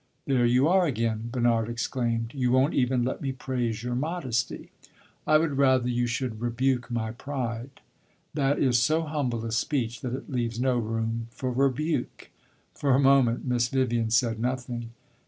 "There you are again!" Bernard exclaimed. "You won't even let me praise your modesty." "I would rather you should rebuke my pride." "That is so humble a speech that it leaves no room for rebuke." For a moment Miss Vivian said nothing.